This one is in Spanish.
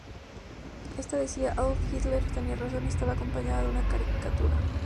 Ésta decía: "Adolf Hitler tenía razón" y estaba acompañada de una caricatura.